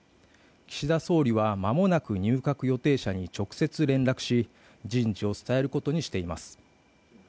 岸田総理は間もなく入閣予定者に直接連絡し人事を伝えることにしています。